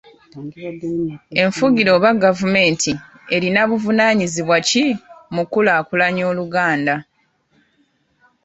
Enfugiro oba gavumenti erina buvunaanyizibwa ki mu kukulaakulanya Oluganda.